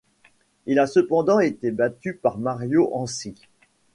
Il a cependant été battu par Mario Ančić.